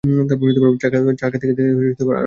চা খেতে-খেতে আরাম করে পড়া যাবে।